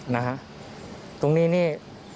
นะฮะตรงนี้นี่